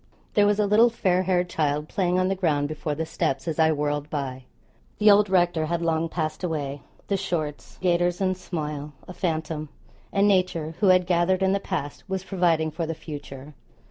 There was a little fair haired child playing on the ground before the steps as I whirled by. The old rector had long passed away; the shorts, gaiters, and smile a phantom; and nature, who had gathered in the past, was providing for the future.